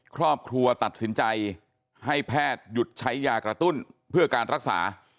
ครอบครัวตัดสินใจให้แพทย์หยุดใช้ยากระตุ้นเพื่อการรักษา